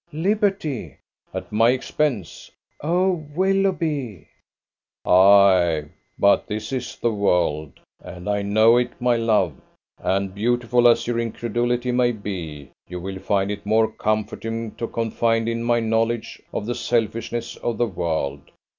"Liberty!" "At my expense!" "Oh, Willoughby!" "Ay, but this is the world, and I know it, my love; and beautiful as your incredulity may be, you will find it more comforting to confide in my knowledge of the selfishness of the world.